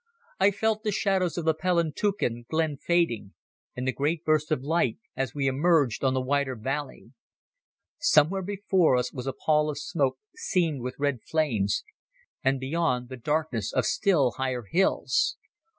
I felt the shadows of the Palantuken glen fading, and the great burst of light as we emerged on the wider valley. Somewhere before us was a pall of smoke seamed with red flames, and beyond the darkness of still higher hills.